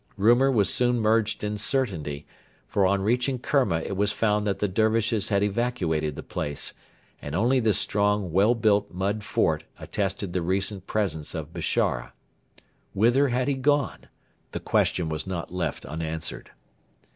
Rumour was soon merged in certainty, for on reaching Kerma it was found that the Dervishes had evacuated the place, and only the strong, well built mud fort attested the recent presence of Bishara. Whither had he gone? The question was not left unanswered.